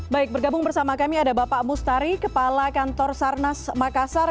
baik bergabung bersama kami ada bapak mustari kepala kantor sarnas makassar